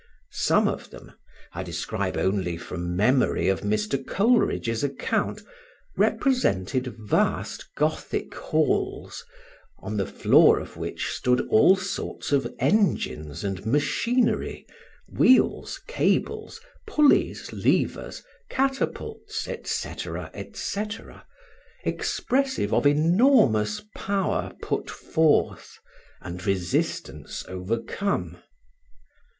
Some of them (I describe only from memory of Mr. Coleridge's account) represented vast Gothic halls, on the floor of which stood all sorts of engines and machinery, wheels, cables, pulleys, levers, catapults, &c. &c., expressive of enormous power put forth and resistance overcome.